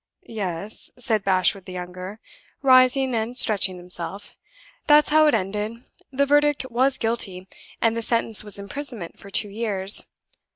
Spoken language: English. "Yes," said Bashwood the younger, rising and stretching himself, "that's how it ended. The verdict was Guilty; and the sentence was imprisonment for two years.